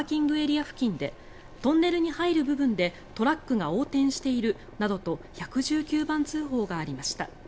ＰＡ付近でトンネルに入る部分でトラックが横転しているなどと１１９番通報がありました。